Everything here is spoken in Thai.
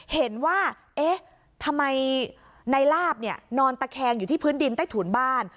เห็นว่าเอ๊ะทำไมในลาบเนี่ยนอนตะแคงอยู่ที่พื้นดินใต้ถุนบ้าน